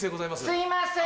すいません